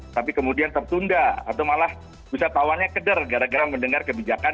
tapi kemudian tertunda atau malah wisatawannya keder gara gara mendengar kebijakan